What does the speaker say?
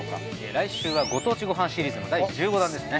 来週はご当地ごはんシリーズの第１５弾ですね。